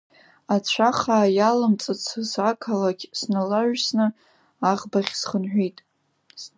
Ацәахаа иалымҵыцыз ақалақь сналс-ҩалсны, аӷбахь схынҳәит.